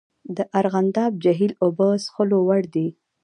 د ارغنداب جهیل اوبه څښلو وړ دي؟